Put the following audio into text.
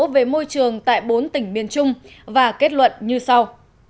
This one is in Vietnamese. về môi trường tại bốn tỉnh miền trung và kết luận như sau